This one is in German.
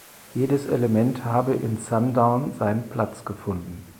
Jedes Element habe in "Sundown" seinen Platz gefunden.